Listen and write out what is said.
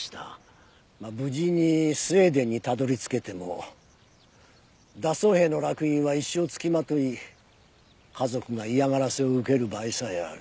まあ無事にスウェーデンにたどり着けても脱走兵の烙印は一生つきまとい家族が嫌がらせを受ける場合さえある。